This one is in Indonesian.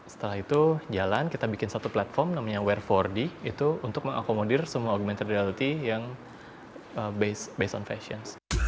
setelah itu jalan kita bikin satu platform namanya wear empat d untuk mengakomodir semua augmented reality yang berbasis fashion